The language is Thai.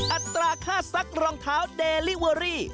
อัตราค่าซักรองเท้าเดลิเวอรี่